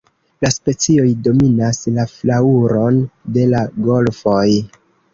La specioj dominas la flaŭron de la golfoj.